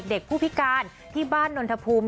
เด็กผู้พิการที่บ้านนนทภูมิ